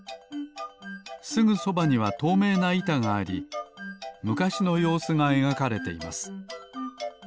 すぐそばにはとうめいないたがありむかしのようすがえがかれています。